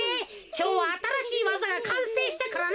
きょうはあたらしいわざがかんせいしたからな。